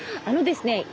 あのですね